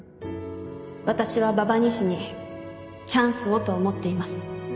私は馬場２士にチャンスをと思っています